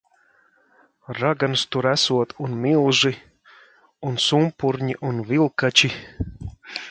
Raganas tur esot un milži. Un sumpurņi un vilkači.